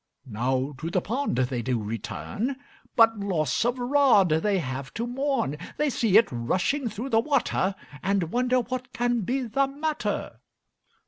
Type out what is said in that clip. Now to the pond they do return, But loss of rod they have to mourn, They see it rushing through the water, And wonder what can be the matter.